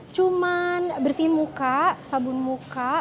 cuman bersihin muka sabun muka